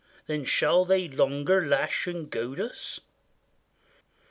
Then shall they longer lash and goad us?